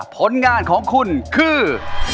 ผลงานของคุณคือ